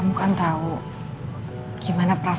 aku future project jadi lok ada bentuk apa yang lu dan aku dapat